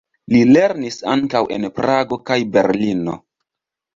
Li lernis ankaŭ en Prago kaj Berlino.